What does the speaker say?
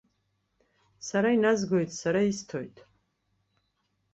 Сара иназгоит, сара исҭоит.